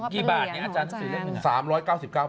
อ๋อกี่บาทเนี่ยอาจารย์สื้อได้